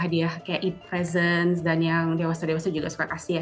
hadiah kayak e presents dan yang dewasa dewasa juga suka kasih ya